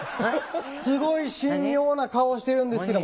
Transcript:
すごい神妙な顔してるんですけども。